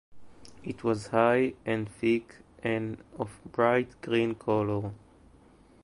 It was high, and thick, and of a bright green color.